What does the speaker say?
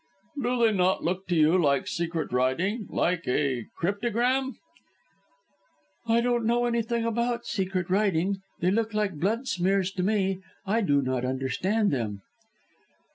"Do they not look to you like secret writing? Like a cryptogram?" "I don't know anything about secret writing. They look like blood smears to me. I do not understand them."